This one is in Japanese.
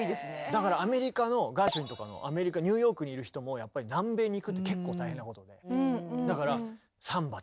だからアメリカのガーシュウィンとかアメリカニューヨークにいる人もやっぱり南米に行くって結構大変なことで。